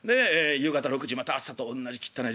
夕方６時また朝とおんなじきったない